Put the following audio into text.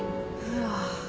うわ。